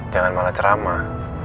jangan malah ceramah